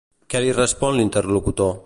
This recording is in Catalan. Què li respon l'interlocutor?